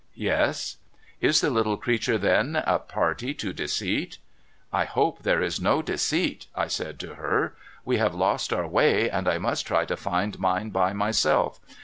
' Yes.' ' Is the little creature, then, a party to deceit ?'' I hope there is no deceit. I said to her, " We have lost our way, and I must try to find mine by myself.